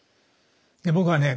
で僕はね